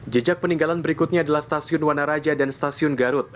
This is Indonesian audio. jejak peninggalan berikutnya adalah stasiun wanaraja dan stasiun garut